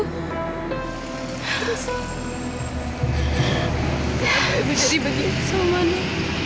kenapa ibu jadi begitu mani